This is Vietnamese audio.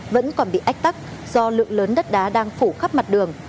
vẫn còn bị ách tắc do lượng lớn đất đá đang phủ khắp mặt đường